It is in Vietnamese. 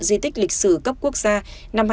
di tích lịch sử cấp quốc gia năm hai nghìn một mươi chín